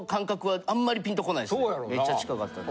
めっちゃ近かったんで。